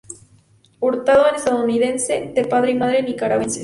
Hurtado es Estadounidense de padre y madre Nicaragüenses.